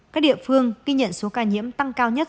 các địa phương ghi nhận số ca nhiễm tăng cao nhất